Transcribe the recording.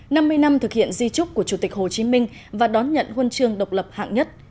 năm mươi năm thực hiện di trúc của chủ tịch hồ chí minh và đón nhận huân chương độc lập hạng nhất